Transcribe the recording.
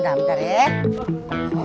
aduh bentar bentar ya